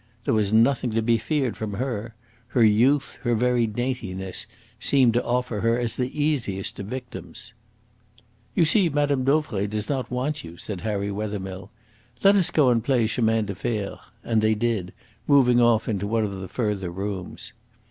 There was nothing to be feared from her. Her youth, her very daintiness, seemed to offer her as the easiest of victims. "You see Mme. Dauvray does not want you," said Harry Wethermill. "Let us go and play CHEMIN DE FER"; and they did, moving off into one of the further rooms.